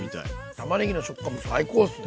たまねぎの食感も最高っすね。